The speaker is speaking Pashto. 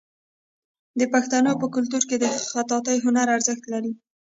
د پښتنو په کلتور کې د خطاطۍ هنر ارزښت لري.